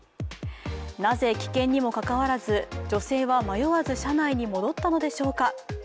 なぜ危険にもかかわらず女性は迷わず車内に戻ったのでしょうか。